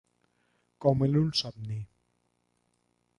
Com en un somni.